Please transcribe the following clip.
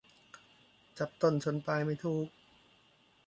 จับต้นชนปลายไม่ถูก